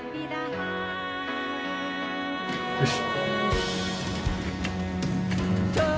よし。